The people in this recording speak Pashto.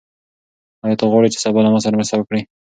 آیا ته غواړې چې سبا له ما سره مرسته وکړې؟